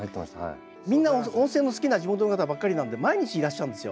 みんな温泉の好きな地元の方ばっかりなので毎日いらっしゃるんですよ。